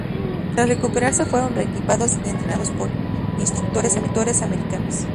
Tras recuperarse fueron re-equipados y entrenados por instructores americanos.